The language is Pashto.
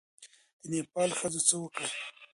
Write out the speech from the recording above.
د نېپال ښځو څه وکړل؟